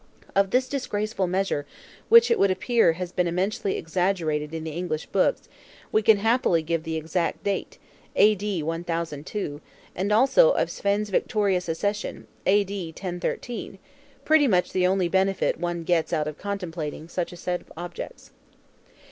Of this disgraceful massacre, which it would appear has been immensely exaggerated in the English books, we can happily give the exact date (A.D. 1002); and also of Svein's victorious accession (A.D. 1013), pretty much the only benefit one gets out of contemplating such a set of objects.